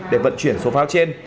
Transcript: để vận chuyển số pháo trên